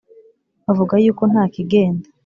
bavuga yuko nta kigenda